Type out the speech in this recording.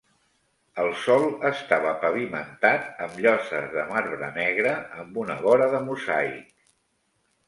El sòl estava pavimentat amb lloses de marbre negre, amb una vora de mosaic.